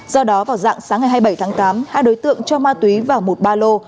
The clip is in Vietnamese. do đó vào dạng sáng ngày hai mươi bảy tháng tám hai đối tượng cho ma túy vào một ba lô